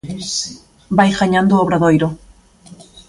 Vai gañando o Obradoiro.